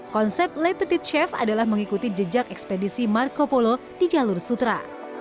konsep lepetit chef adalah mengikuti jejak ekspedisi marco polo di jalur sutra